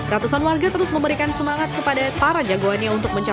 ratusan warga terus memberikan semangat kepada para jagoannya